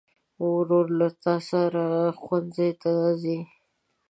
ورور له تا سره ښوونځي ته ځي.